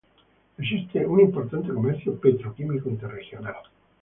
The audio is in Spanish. Existe un importante comercio petroquímico interregional.